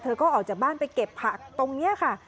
ก็ออกจากบ้านไปเก็บผักตรงนี้ค่ะ